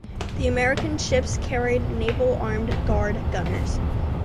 The American ships carried Naval Armed Guard gunners.